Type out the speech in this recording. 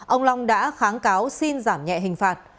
ông long đã kháng cáo xin giảm nhẹ hình phạt